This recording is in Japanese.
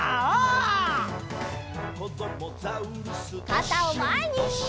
かたをまえに！